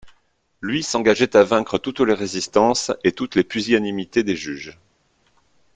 Lui s'engageait à vaincre toutes les résistances et toutes les pusillanimités des juges.